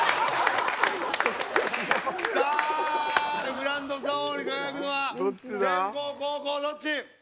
さあグランド座王に輝くのは先攻後攻どっち？